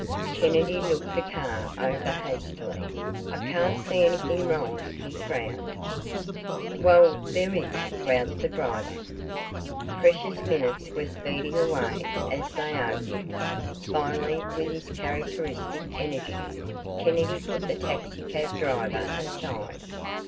Kennedy looked the car over hastily. "I can't see anything wrong," he frowned. "Well, there is," growled the driver. Precious minutes were speeding away, as they argued. Finally with his characteristic energy, Kennedy put the taxicab driver aside.